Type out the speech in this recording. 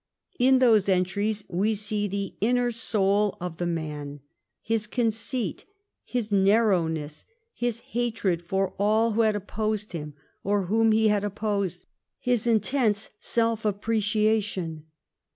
In those entries we see the inner soul of the man, his conceit, his narrowness, his hatred for all who had opposed him or whom he had opposed ; his intense self appreciation.